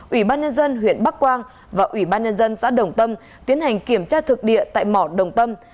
ủy ban nhân dân huyện bắc quang và ủy ban nhân dân xã đồng tâm tiến hành kiểm tra thực địa tại mỏ đồng tâm